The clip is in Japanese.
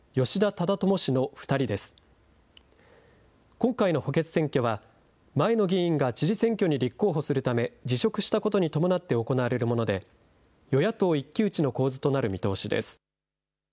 今回の補欠選挙は、前の議員が知事選挙に立候補するため、辞職したことに伴って行われるもので、与野党一騎打ちの構図となる見通しです。